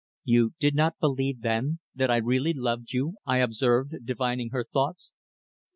"You did not believe, then, that I really loved you?" I observed, divining her thoughts.